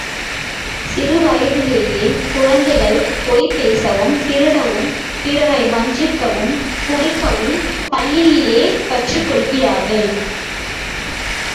சிறுவயதிலேயே குழந்தைகள் பொய் பேசவும், திருடவும், பிறரை வஞ்சிக்கவும், குடிக்கவும் பள்ளியிலா கற்றுக்கொள்கிறார்கள்.